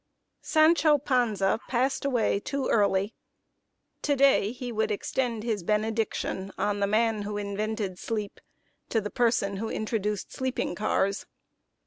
Sancho Panza passed away too early. To day, he would extend his benediction on the man who invented sleep, to the person who introduced sleeping cars.